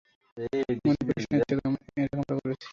মনে করিস না ইচ্ছে করে এরকমটা করেছি!